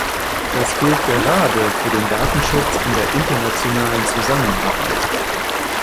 Das gilt gerade für den Datenschutz in der internationalen Zusammenarbeit.